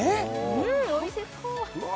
うんおいしそううわ